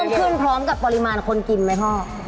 มันขึ้นพร้อมกับปริมาณคนกินไหมพ่อ